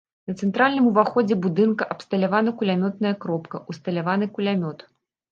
На цэнтральным ўваходзе будынка абсталявана кулямётная кропка, усталяваны кулямёт.